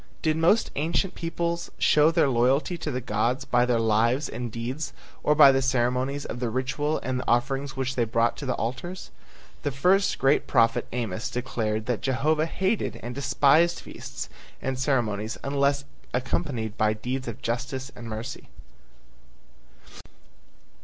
Did most ancient peoples show their loyalty to the gods by their lives and deeds or by the ceremonies of the ritual and the offerings which they brought to the altars? The first great prophet Amos declared that Jehovah hated and despised feasts and ceremonies unless accompanied by deeds of justice and mercy.